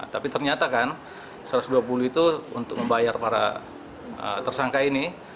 tapi ternyata kan satu ratus dua puluh itu untuk membayar para tersangka ini